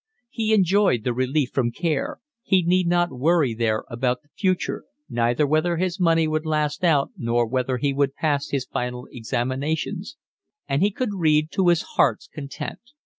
He enjoyed the relief from care; he need not worry there about the future, neither whether his money would last out nor whether he would pass his final examinations; and he could read to his heart's content.